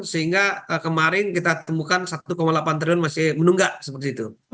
sehingga kemarin kita temukan satu delapan triliun masih menunggak seperti itu